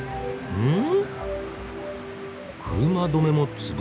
うん。